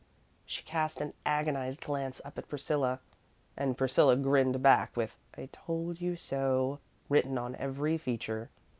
She cast an agonized glance up at Priscilla, and Priscilla grinned back with "I told you so" written on every feature.